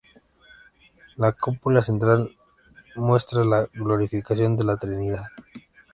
La cúpula central muestra la glorificación de la Trinidad.